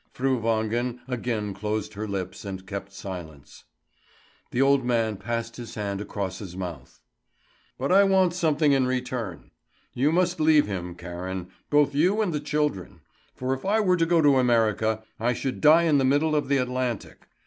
Fru Wangen again closed her lips and kept silence. The old man passed his hand across his mouth. "But I want something in return. You must leave him, Karen, both you and the children; for if I were to go to America, I should die in the middle of the Atlantic.